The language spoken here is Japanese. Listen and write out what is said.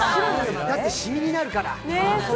だってシミになるから。